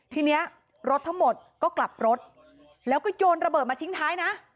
ทีนี้รถทั้งหมดก็กลับรถแล้วก็โยนระเบิดมาทิ้งท้ายนะ